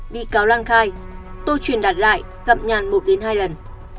bị cáo lan khai tôi truyền đặt lại gặp nhàn một hai lần